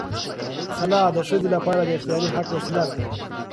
خلع د ښځې لپاره د اختیاري حق وسیله ده.